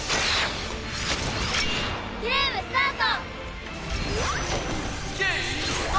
ゲームスタート！